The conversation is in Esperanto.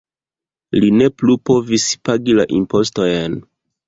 Li ne plu povis pagi la impostojn.